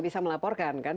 bisa melaporkan kan